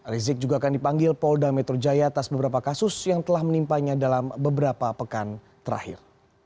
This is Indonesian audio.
rizik juga akan dipanggil polda metro jaya atas beberapa kasus yang telah menimpanya dalam beberapa pekan terakhir